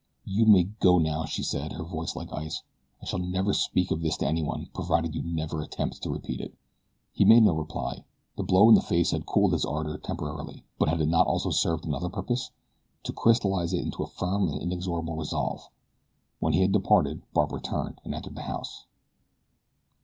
"You may go now," she said, her voice like ice. "I shall never speak of this to anyone provided you never attempt to repeat it." The man made no reply. The blow in the face had cooled his ardor temporarily, but had it not also served another purpose? to crystallize it into a firm and inexorable resolve. When he had departed Barbara turned and entered the house.